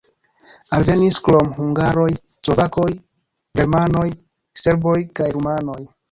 Alvenis krom hungaroj slovakoj, germanoj, serboj kaj rumanoj.